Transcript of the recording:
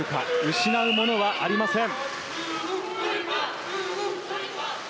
失うものはありません。